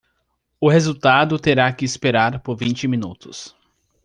O resultado terá que esperar por vinte minutos.